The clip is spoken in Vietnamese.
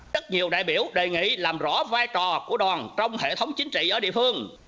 rất nhiều đại biểu đề nghị làm rõ vai trò của đoàn trong hệ thống chính trị ở địa phương